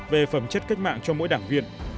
về phẩm chất cách mạng cho mỗi đảng viên